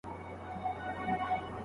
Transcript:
سرداري کول اسانه نه دي.